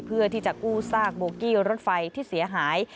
เพื่อที่จะกู้ซากโบกี้รถไฟที่เสียหาย